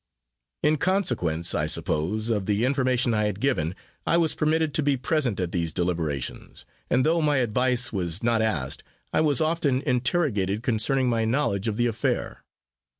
In consequence, I suppose, of the information I had given, I was permitted to be present at these deliberations, and though my advice was not asked, I was often interrogated, concerning my knowledge of the affair.